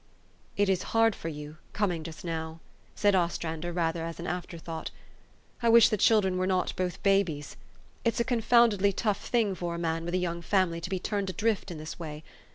" It is hard for } T OU, coming just now," said Os trander, rather as an afterthought. " I wish the children were not both babies. It's a confoundedly tough thing for a man with a young family to be turned adrift in this way.